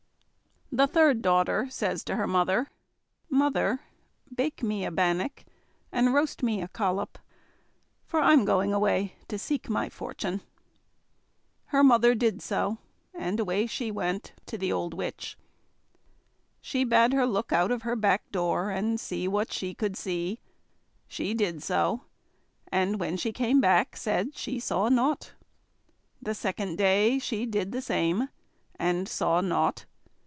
The third daughter says to her mother: "Mother, bake me a bannock, and roast me a collop, for I'm going away to seek my fortune." Her mother did so; and away she went to the old witch. She bade her look out of her back door, and see what she could see She did so; and when she came back, said she saw nought. The second day she did the same, and saw nought.